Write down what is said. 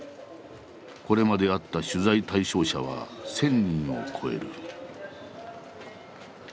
これまで会った取材対象者は１，０００人を超える。